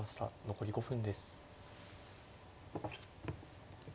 残り５分です。